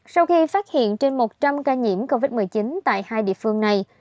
sau khi phát hiện trên một trăm linh ca nhiễm covid một mươi chín tại hai địa phương này